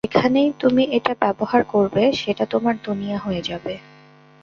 যেখানেই তুমি এটা ব্যবহার করবে, সেটা তোমার দুনিয়া হয়ে যাবে।